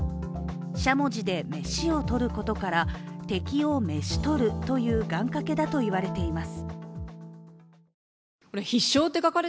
しゃもじで飯をとることから敵を召し捕るという願掛けだといわれています